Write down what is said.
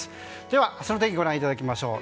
では明日の天気ご覧いただきましょう。